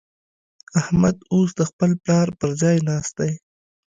احمد اوس د خپل پلار پر ځای ناست دی.